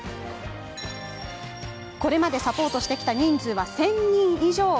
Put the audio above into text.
これまでサポートしてきた人数は１０００人以上。